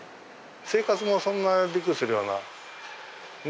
生活もそんなびっくりするようなね？